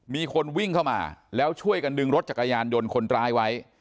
มีคนวิ่งเข้ามาแล้วช่วยกันดึงรถจักรยานยนต์คนร้ายไว้